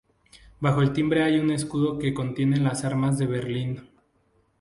Bajo el timbre hay un escudo que contiene las armas de Benín.